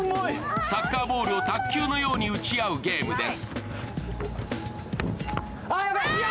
サッカーボールを卓球のように打ち合うゲームです。